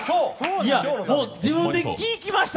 自分で聴きました？